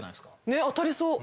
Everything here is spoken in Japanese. ねっ当たりそう。